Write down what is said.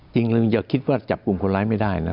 จริงอย่าคิดว่าจับกลุ่มคนร้ายไม่ได้นะ